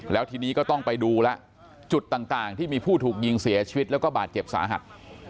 แล้วทีนี้ก็ต้องไปดูแล้วจุดต่างที่มีผู้ถูกยิงเสียชีวิตแล้วก็บาดเจ็บสาหัส